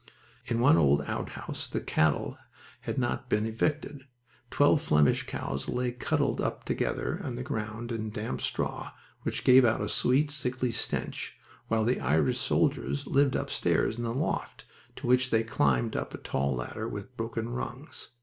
In one old outhouse the cattle had not been evicted. Twelve Flemish cows lay cuddled up together on the ground floor in damp straw, which gave out a sweet, sickly stench, while the Irish soldiers lived upstairs in the loft, to which they climbed up a tall ladder with broken rungs.